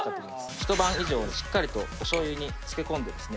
一晩以上しっかりとお醤油に漬け込んでですね